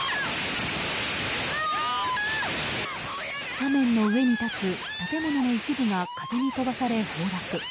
斜面の上に立つ建物の一部が風に飛ばされ崩落。